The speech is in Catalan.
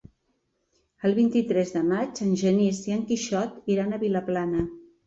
El vint-i-tres de maig en Genís i en Quixot iran a Vilaplana.